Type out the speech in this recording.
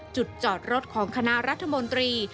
จุดจอดรถของคณะรัฐมนตรี